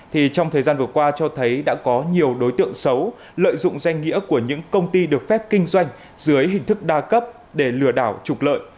thì trong thời gian vừa qua cho thấy đã có nhiều đối tượng xấu lợi dụng danh nghĩa của những công ty được phép kinh doanh dưới hình thức đa cấp để lừa đảo trục lợi